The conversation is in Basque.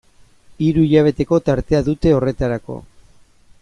Hiru hilabeteko tartea dute horretarako.